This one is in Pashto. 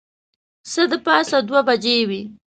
څه د پاسه دوې بجې وې.